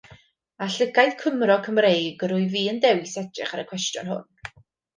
Â llygaid Cymro Cymreig yr wyf i yn dewis edrych ar y cwestiwn hwn.